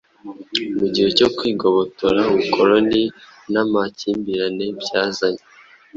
mu gihe cyo kwigobotora ubukoloni n'amakimbirane byazanye,